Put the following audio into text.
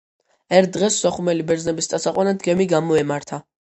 ერთ დღეს სოხუმელი ბერძნების წასაყვანად გემი გამოემართა.